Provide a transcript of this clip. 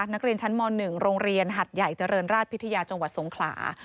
นักเรียนชั้นม๑โรงเรียนหัดใหญ่เจริญราชพิทยาจังหวัดสงขลา